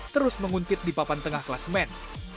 terus menguntit di papan tengah kelas men